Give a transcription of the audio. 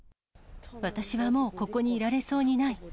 私はもうここにいられそうにない。